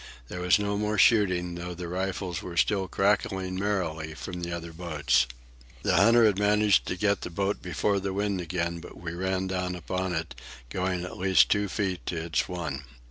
There was no more shooting, though the rifles were still cracking merrily from the other boats. The hunter had managed to get the boat before the wind again, but we ran down upon it, going at least two feet to its one.